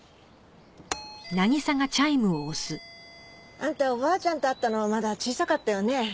あんたおばあちゃんと会ったのまだ小さかったよね。